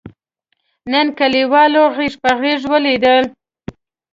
نن کلیوالو غېږ په غېږ ولیدل.